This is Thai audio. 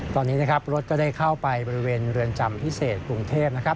ตอนนี้นะครับรถก็ได้เข้าไปบริเวณเรือนจำพิเศษกรุงเทพนะครับ